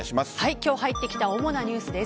今日入ってきた主なニュースです。